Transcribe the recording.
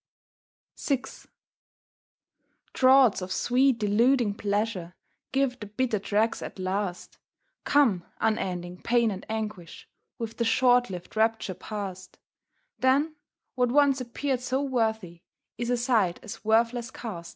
VI Draughts of sweet deluding pleasure Give the bitter dregs at last; Come, unending pain and anguish, With the short lived rapture past; Then, what once appeared so worthy, Is aside as worthless cast.